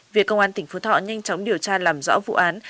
việc công an tỉnh phú thọ nhanh chóng điều tra làm rõ vụ án